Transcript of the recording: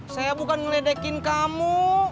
saya bukan meledekin kamu